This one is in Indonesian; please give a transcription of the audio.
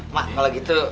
mak kalau gitu